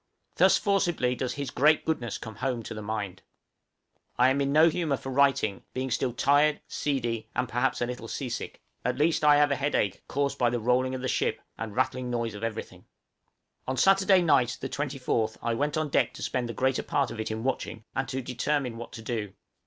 Thus forcibly does His great goodness come home to the mind! I am in no humor for writing, being still tired, seedy, and perhaps a little seasick; at least I have a headache, caused by the rolling of the ship and rattling noise of everything. {THE 'FOX' IN PERIL.} On Saturday night, the 24th, I went on deck to spend the greater part of it in watching, and to determine what to do.